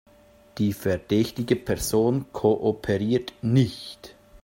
Die verdächtige Person kooperiert nicht.